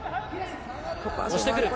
押してくる。